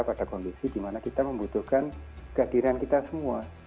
pada kondisi dimana kita membutuhkan kehadiran kita semua